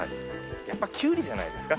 やっぱキュウリじゃないですか？